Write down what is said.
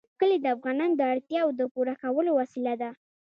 کلي د افغانانو د اړتیاوو د پوره کولو وسیله ده.